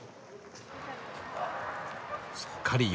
すっかり夜。